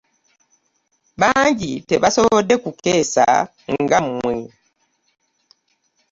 Bangi tebasobodde kukeesa nga mmwe.